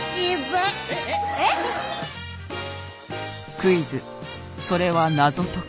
クイズそれは謎解き。